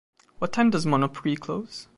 What time does Monoprix close?